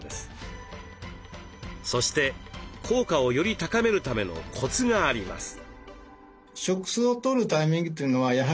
そして効果をより高めるためのコツがあります。